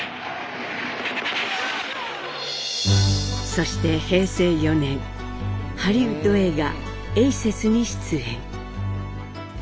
そして平成４年ハリウッド映画「エイセス」に出演。